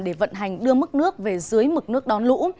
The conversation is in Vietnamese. để vận hành đưa mức nước về dưới mực nước đón lũ